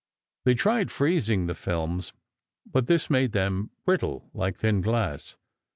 They tried freezing the films, but this made them brittle, like thin glass.